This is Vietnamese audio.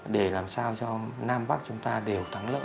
để làm sao cho nam bắc chúng ta đều thắng lợi